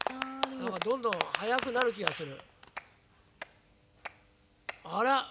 なんかどんどんはやくなるきがする。